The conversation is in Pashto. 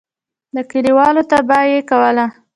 د کلیوالو طبعه یې کوله.